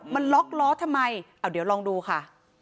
มันล็อกล้อทำไมเอาเดี๋ยวลองดูค่ะ